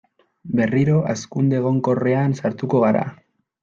Berriro hazkunde egonkorrean sartuko gara.